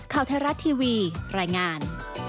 คาวเทราะห์ทีวีรายงาน